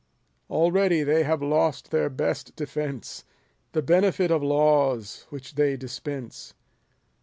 Already they have lost their best defence — The benefit of laws which they dispense.